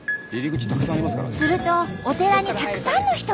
するとお寺にたくさんの人が。